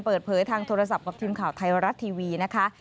เปิดเผยทางโทรศัพท์กับทีมข่าวไทยรัฐทีวีนะคะ